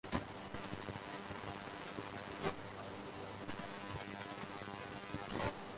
They have three sons, Milo, Luca and Inigo.